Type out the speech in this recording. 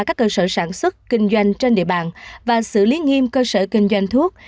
các cơ sở sản xuất kinh doanh trên địa bàn và xử lý nghiêm cơ sở kinh doanh thuốc